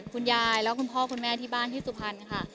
คุณยายแล้วคุณพ่อคุณแม่ที่บ้านที่สุพรรณค่ะ